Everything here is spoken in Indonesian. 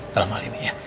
dalam hal ini ya